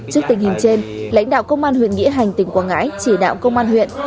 trước tình hình trên lãnh đạo công an huyện nghĩa hành tỉnh quảng ngãi chỉ đạo công an huyện